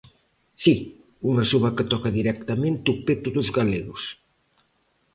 Si, unha suba que toca directamente o peto dos galegos.